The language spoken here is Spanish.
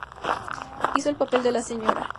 Hizo el papel de la Sra.